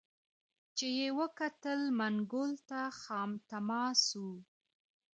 چي یې وکتل منګول ته خامتما سو